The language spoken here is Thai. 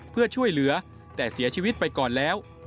เพื่อช่วยเหลือแต่เสียชีวิตไปก่อนแล้ว